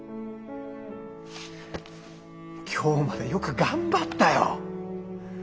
今日までよく頑張ったよ。